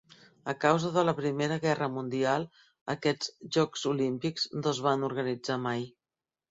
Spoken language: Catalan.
A causa de la Primera Guerra Mundial, aquests jocs olímpics no es van organitzar mai.